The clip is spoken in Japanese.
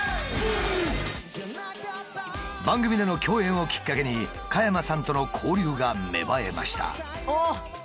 番組での共演をきっかけに加山さんとの交流が芽生えました。